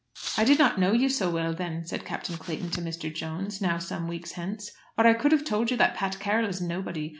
"I did not know you so well then," said Captain Clayton to Mr. Jones, now some weeks hence, "or I could have told you that Pat Carroll is nobody.